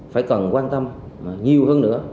phải cần quan tâm nhiều hơn nữa